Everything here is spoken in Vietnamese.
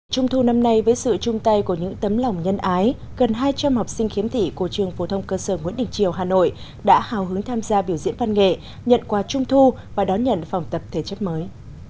trung thu năm nay với sự chung tay của những tấm lòng nhân ái gần hai trăm linh học sinh khiếm thị của trường phổ thông cơ sở nguyễn đình triều hà nội đã hào hứng tham gia biểu diễn văn nghệ nhận quà trung thu và đón nhận phòng tập thể chất mới